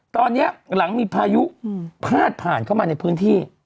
ตอนนี้หลังมีพายุพาดผ่านเข้ามาในพื้นที่